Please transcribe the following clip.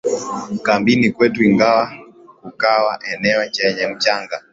kambini kwetu ingawa kukata eneo lenye mchanga